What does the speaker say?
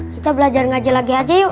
kita belajar ngaji lagi aja yuk